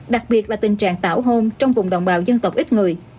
đặc biệt là tình trạng tảo hôn trong vùng đồng bào dân tộc ít người